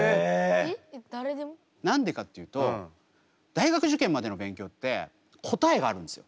何でかっていうと大学受験までの勉強って答えがあるんですよ。